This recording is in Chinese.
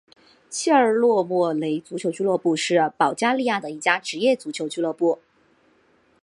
切尔诺莫雷足球俱乐部是保加利亚的一家职业足球俱乐部。